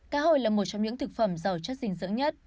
cá hội là một trong những thực phẩm giàu chất dinh dưỡng nhất